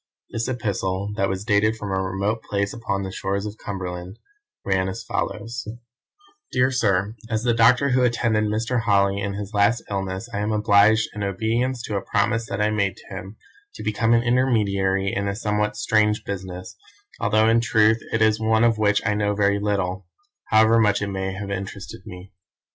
This epistle, that was dated from a remote place upon the shores of Cumberland, ran as follows: "Dear Sir, As the doctor who attended Mr. Holly in his last illness I am obliged, in obedience to a promise that I made to him, to become an intermediary in a somewhat strange business, although in truth it is one of which I know very little, however much it may have interested me.